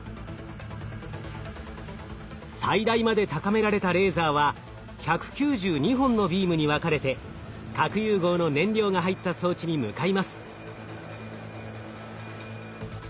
最大まで高められたレーザーは１９２本のビームに分かれて核融合の燃料が入った装置に向かいます。